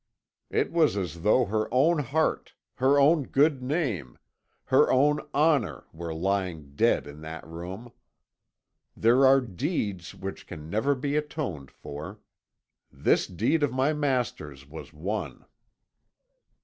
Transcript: It was as though her own heart, her own good name, her own honour, were lying dead in that room! There are deeds which can never be atoned for. This deed of my master's was one."